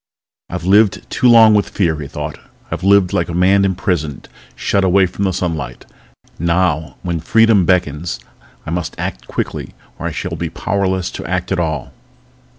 I've lived too long with fear, he thought. I've lived like a man imprisoned, shut away from the sunlight. Now, when freedom beckons, I must act quickly or I shall be powerless to act at all.